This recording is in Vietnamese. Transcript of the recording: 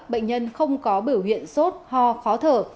bệnh nhân không có biểu hiện sốt ho khó thở